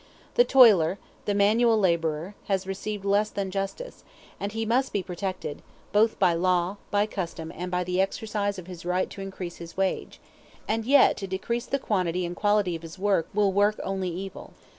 The toiler, the manual laborer, has received less than justice, and he must be protected, both by law, by custom, and by the exercise of his right to increase his wage; and yet to decrease the quantity and quality of his work will work only evil.